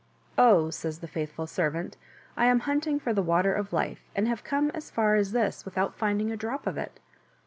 " Oh !" says the faithful servant, I am hunting for the Water of Life, and have come as far as this without finding a drop of it."